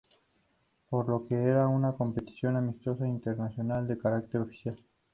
Por lo que era una competición amistosa internacional de carácter oficial.